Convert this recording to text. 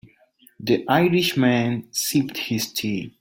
The Irish man sipped his tea.